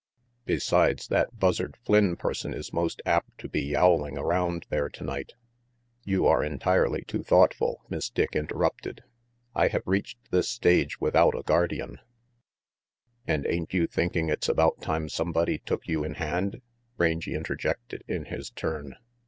Besides, that Buzzard Flynn person is most apt to be yowling around there tonight." "You are entirely too thoughtful," Miss Dick interrupted. "I have reached this stage without a guardian "And ain't you thinking it's about time somebody took you in hand?" Rangy interjected, in his turn.